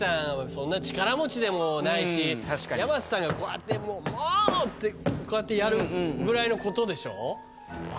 そんな力持ちでもないし山瀬さんがこうやって「もう！」ってこうやってやるぐらいのことでしょ？